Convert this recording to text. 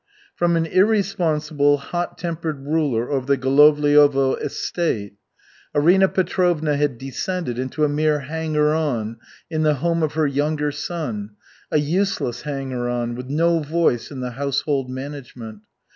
From an irresponsible, hot tempered ruler over the Golovliovo estate, Arina Petrovna had descended into a mere hanger on in the home of her younger son, a useless hanger on, with no voice in the household management.